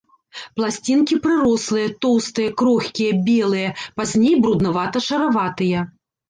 Пласцінкі прырослыя, тоўстыя, крохкія, белыя, пазней бруднавата-шараватыя.